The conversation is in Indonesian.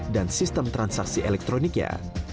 dan sistem transaksi elektroniknya